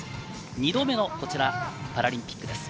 ２度目のパラリンピックです。